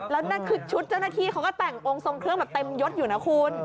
แล้วนั่นคือชุดเจ้าหน้าที่เขาก็แต่งองค์ทรงเครื่องแบบเต็มยดอยู่นะคุณ